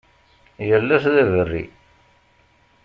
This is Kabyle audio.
Yal ass d aberri.